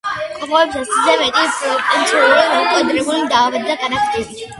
კოღოებს ასზე მეტი პოტენციურად მომაკვდინებელი დაავადება გადააქვთ